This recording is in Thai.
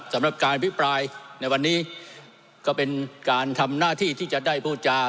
สำหรับการพิปรายในวันนี้ก็เป็นการทำหน้าที่ที่จะได้พูดจา